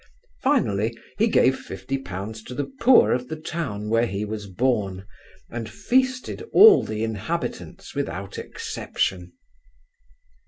Finally, he gave fifty pounds to the poor of the town where he was born, and feasted all the inhabitants without exception.